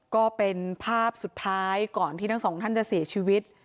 ก็เป็นภาพสุดท้ายก่อนที่ทั้งสองท่านจะเสียชีวิต